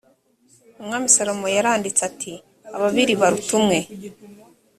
umwami salomo yaranditse ati ababiri baruta umwe